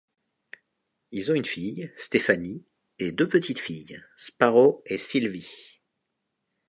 Ils ont une fille, Stéphanie, et deux petites filles, Sparrow et Silvie.